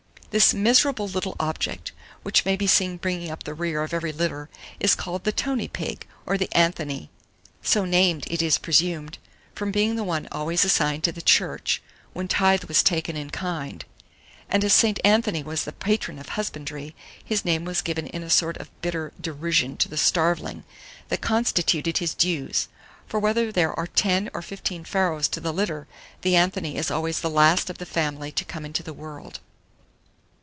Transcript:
This miserable little object, which may be seen bringing up the rear of every litter, is called the Tony pig, or the Anthony; so named, it is presumed, from being the one always assigned to the Church, when tithe was taken in kind; and as St. Anthony was the patron of husbandry, his name was given in a sort of bitter derision to the starveling that constituted his dues; for whether there are ten or fifteen farrows to the litter, the Anthony is always the last of the family to come into the world.